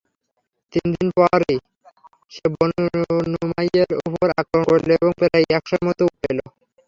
তিনদিন পরই সে বনু নুমাইয়ের উপর আক্রমণ করল এবং প্রায় একশর মত উট পেল।